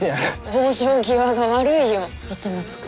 往生際が悪いよ市松君。